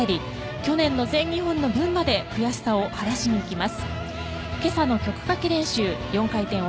去年の全日本の分まで悔しさを晴らしにいきます。